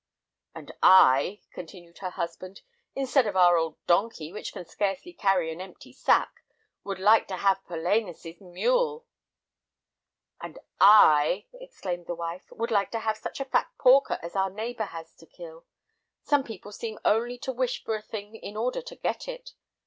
"And I," continued her husband, "instead of our old donkey, which can scarcely carry an empty sack, would like to have Polainas's mule!" "And I," exclaimed the wife, "would like to have such a fat porker as our neighbor has to kill! Some people seem only to wish for a thing in order to get it.